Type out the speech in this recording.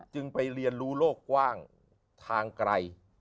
จึงไปเรียนรู้โลกกว้างทางไกล